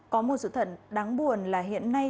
có một sự thật đáng buồn là hiện nay